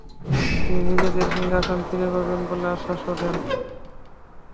তিনি নিজের সিংহাসন ফিরে পাবেন বলে আশ্বাসও দেন।